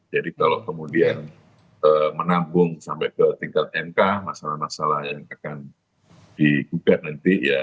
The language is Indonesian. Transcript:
jadi kalau kemudian menambung sampai ke tingkat mk masalah masalah yang akan dikukat nanti